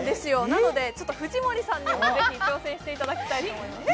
なので、藤森さんにもぜひ挑戦していただきたいと思います。